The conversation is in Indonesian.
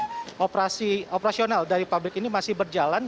dan operasional dari pabrik ini masih berjalan